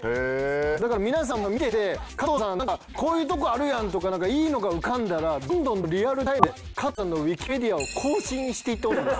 だから皆さんも今見てて加藤さんなんかこういうとこあるやんとかいいのが浮かんだらどんどんどんどんリアルタイムで加藤さんのウィキペディアを更新していってほしいんです。